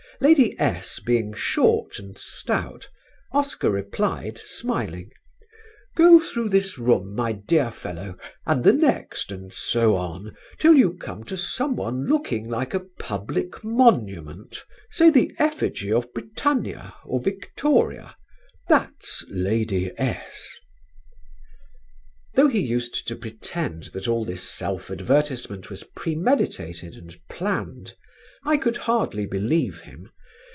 Lady S being short and stout, Oscar replied, smiling: "Go through this room, my dear fellow, and the next and so on till you come to someone looking like a public monument, say the effigy of Britannia or Victoria that's Lady S ." Though he used to pretend that all this self advertisement was premeditated and planned, I could hardly believe him.